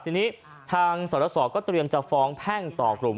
ทีนี้ทางสรสอก็เตรียมจะฟ้องแพ่งต่อกลุ่ม